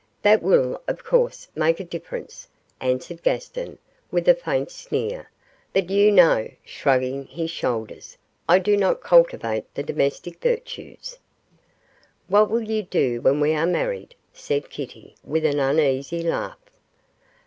'That will, of course, make a difference,' answered Gaston, with a faint sneer; 'but you know,' shrugging his shoulders, 'I do not cultivate the domestic virtues.' 'What will you do when we are married?' said Kitty, with an uneasy laugh.